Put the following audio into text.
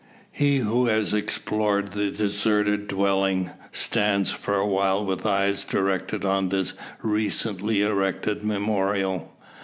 He who has explored the deserted dwelling, stands for a while with eyes directed on this recently erected memorial.